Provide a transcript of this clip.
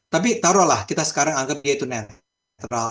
tapi taruhlah kita sekarang anggap dia itu netral